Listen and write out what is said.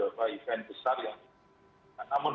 maka kemudian kita lakukan secara hybrid